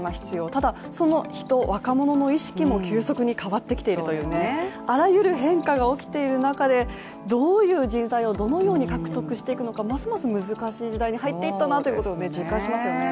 ただ、その人、若者の意識も急速に変わってきているというね、あらゆる変化が起きている中でどういう人材をどのように獲得していくのかますます難しい時代に入っていったなと実感しますよね。